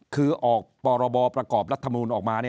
คือออกพรบประกอบรัฐมนูลออกมา